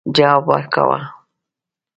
جواب ورکاوه.